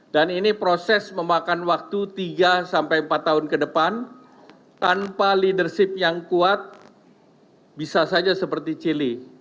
dan ini proses memakan waktu tiga empat tahun ke depan tanpa leadership yang kuat bisa saja seperti chile